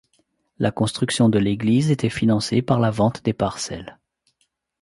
La construction de l'église était financée par la vente des parcelles.